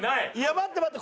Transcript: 待って待って！